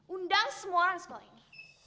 undang semua orang sekolah ini